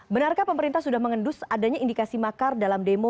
benarkah pemerintah sudah mengendus adanya indikasi makar dalam demo